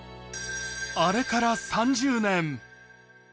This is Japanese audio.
あれから３０年。